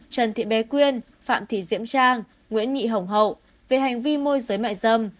trần thị bé quyên phạm thị diễm trang nguyễn nhị hồng hậu về hành vi môi giới mại dâm